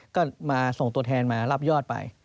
ก็มาส่งตัวแทนมารับยอดไป